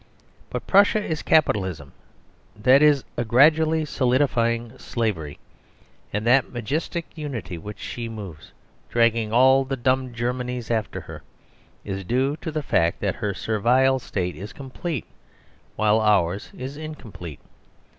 But Prussia is Capitalism; that is, a gradually solidifying slavery; and that majestic unity with which she moves, dragging all the dumb Germanies after her, is due to the fact that her Servile State is complete, while ours is incomplete.